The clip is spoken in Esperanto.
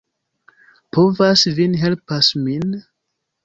Povas vin helpas min?